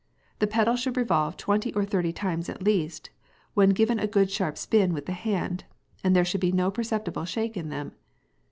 The pedals should revolve twenty or thirty times at least, when given a good sharp spin with the hand, and there should be no perceptible shake in them.